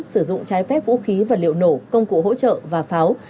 sử dụng trái phép vũ khí vật liệu nổ công cụ hỗ trợ và pháo